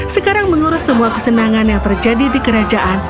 sekarang mengurus semua kesenangan yang terjadi di kerajaan